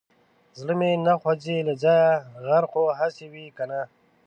زړه مې نه خوځي له ځايه غر خو هسي وي که نه.